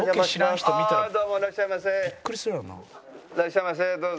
いらっしゃいませどうぞ。